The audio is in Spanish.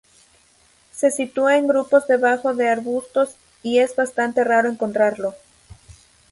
Se sitúa en grupos debajo de arbustos y es bastante raro encontrarlo.